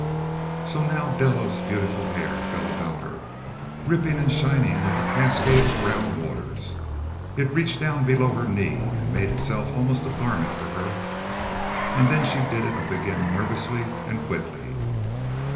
So now Della's beautiful hair fell about her, rippling and shining like a cascade of brown waters. It reached below her knee and made itself almost a garment for her. And then she did it up again nervously and quickly.